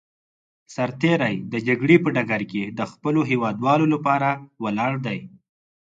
سرتېری د جګړې په ډګر کې د خپلو هېوادوالو لپاره ولاړ دی.